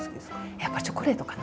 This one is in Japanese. やっぱチョコレートかな。